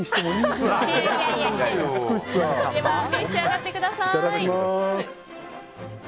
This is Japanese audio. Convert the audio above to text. では召し上がってください。